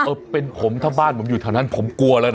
เออเป็นผมถ้าบ้านผมอยู่แถวนั้นผมกลัวแล้วนะ